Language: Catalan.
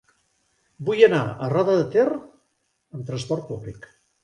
Vull anar a Roda de Ter amb trasport públic.